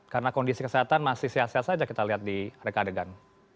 karena kondisi kesehatan masih sehat sehat saja kita lihat di rekadegan